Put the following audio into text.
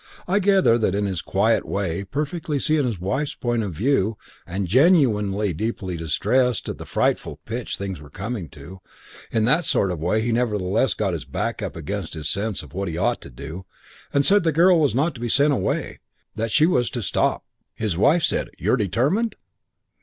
I gather that, in his quiet way, perfectly seeing his wife's point of view and genuinely deeply distressed at the frightful pitch things were coming to, in that sort of way he nevertheless got his back up against his sense of what he ought to do and said the girl was not to be sent away, that she was to stop. "His wife said, 'You're determined?'